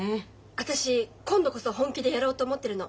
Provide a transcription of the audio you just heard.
私今度こそ本気でやろうと思ってるの。